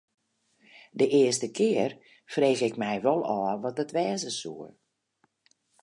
De earste kear frege ik my wol ôf wat it wêze soe.